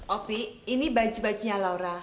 opi ini baju bajunya laura